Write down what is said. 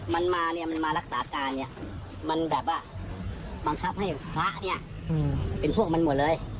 มันมารักษาการมันแบบว่าบังคับให้พระเป็นฟวกมันหมดเลย